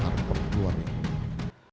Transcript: saya tidak berpikir apa yang terjadi